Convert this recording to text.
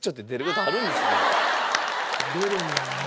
出るんだね。